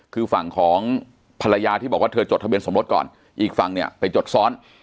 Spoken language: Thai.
คือฝั่งของภรรยาที่บอกว่าเธอจดทะเบียนสมรสก่อนอีกฝั่งเนี่ยไปจดซ้อน